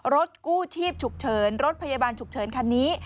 รถกู้ชีพฉุกเฉินรถพยาบาลฉุกเฉินคันนี้